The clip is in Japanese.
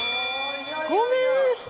ごめん！